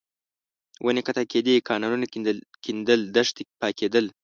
ونې قطع کېدې، کانالونه کېندل، دښتې پاکېدل.